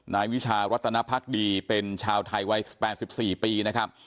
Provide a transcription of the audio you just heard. นายวิชารัตนภักดีเป็นชาวไทยวัย๘๔ปีนะครับ